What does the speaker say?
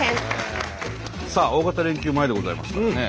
さあ大型連休前でございますからね。